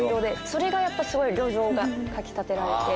それがやっぱすごい旅情がかき立てられて。